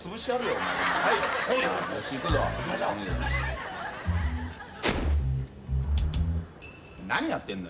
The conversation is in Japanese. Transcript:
お前何やってんだ。